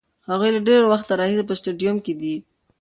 هغوی له ډېر وخته راهیسې په سټډیوم کې دي.